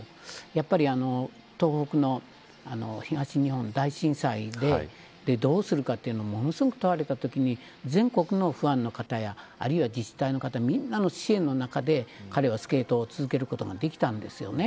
やっぱり東北の東日本大震災でどうするかというのをものすごく問われたときに全国のファンの方やあるいは自治体の方みんなの支援の中で彼はスケートを続けることができたんですよね。